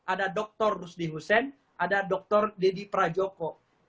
ada dr rusdi hussein ada dr deddy prajoko